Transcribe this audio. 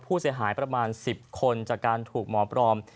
ผู้เสียหายประมาณ๑๐คนจากการถูกหมอปลอม